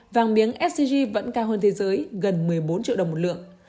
vàng miếng sgc vẫn cao hơn thế giới gần một mươi bốn triệu đồng một lượng